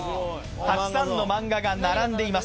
たくさんの漫画が並んでいます